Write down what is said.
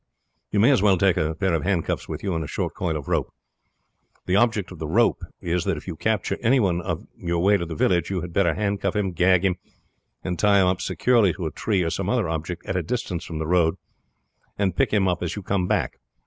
You may as well take a pair of handcuffs with you and a short coil of rope. The object of the rope is, that if you capture any one on your way to the village you had better handcuff him, gag him, and tie him up securely to a tree or some other object at a distance from the road, and pick him up as you come back.